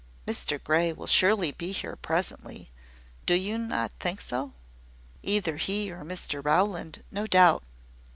"Mr Grey will surely be here, presently. Do not you think so?" "Either he or Mr Rowland, no doubt."